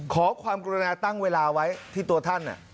ขอความกรุณาตั้งเวลาไว้ที่ตัวท่าน